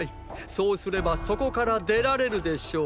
そうすればそこから出られるでしょう。